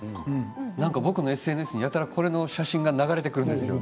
なんか僕のＳＮＳにやたらこれの写真が流れてくるんですよ